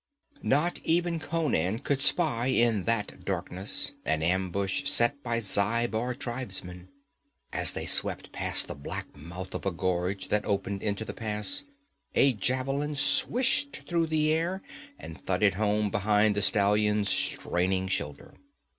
Not even Conan could spy, in that darkness, an ambush set by Zhaibar tribesmen. As they swept past the black mouth of a gorge that opened into the Pass, a javelin swished through the air and thudded home behind the stallion's straining shoulder.